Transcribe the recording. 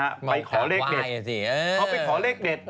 ไปขอเลขเด็ดเอาไปขอเลขเด็ด